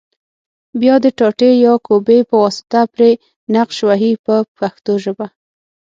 بیا د ټاټې یا کوبې په واسطه پرې نقش وهي په پښتو ژبه.